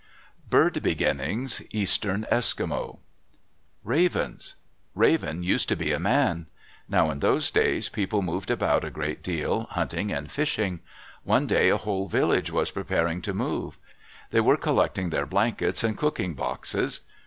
BIRD BEGINNINGS Eastern Eskimo Ravens.—Raven used to be a man. Now in those days, people moved about a great deal, hunting and fishing. One day a whole village was preparing to move. They were collecting their blankets and cooking boxes.